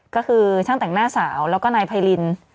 ก็คือช่างแต่งหน้าสาวแล้วก็นายไพริน